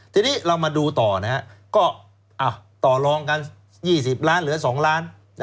ทีนี้เรามาดูต่อนะฮะก็ต่อลองกัน๒๐ล้านเหลือ๒ล้าน